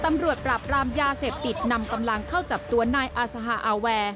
ตำรวจปราบรามยาเสพติดนำกำลังเข้าจับตัวนายอาซาฮาอาแวร์